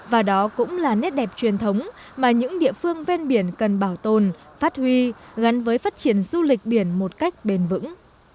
và đó cũng là nét đẹp truyền thống mà những địa phương ven biển cần bảo tồn phát huy gắn với phát triển du lịch biển một cách bền vững